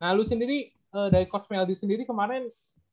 nah lu sendiri dari coach meldi sendiri kemarin